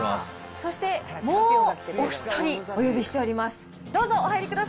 そしてもうお１人、お呼びしております。